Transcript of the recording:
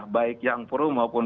baik yang pro maupun